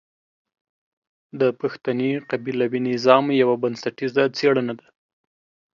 د پښتني قبيلوي نظام يوه بنسټيزه څېړنه ده.